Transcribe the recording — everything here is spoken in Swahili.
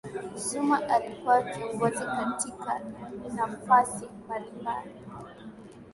zuma alikuwa kiongozi katika nafasi mbalimbali